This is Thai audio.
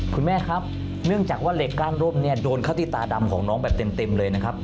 คุณแม่ครับเนื่องจากว่าเหล็กก้านร่มเนี่ยโดนเข้าที่ตาดำของน้องแบบเต็มเลยนะครับ